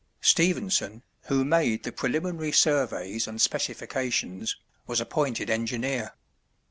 Stephenson, who made the preliminary surveys and specifications, was appointed engineer.